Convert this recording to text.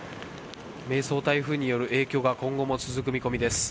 迷走台風による影響は今後も続く見込みです。